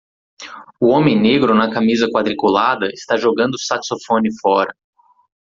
O homem negro na camisa quadriculada está jogando o saxofone fora.